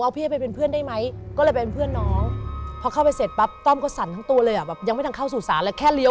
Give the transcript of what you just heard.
พี่ไปเช็ครถให้หนูหน่อย